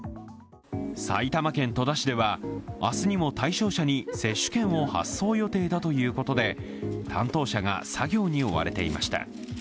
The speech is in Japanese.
埼玉県戸田市では、明日にも対象者に接種券を発送予定だということで担当者が作業に追われていました。